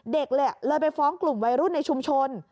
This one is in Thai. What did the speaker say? เด็กเลยเลยไปฟ้องกลุ่มวัยรุ่นในชุมชน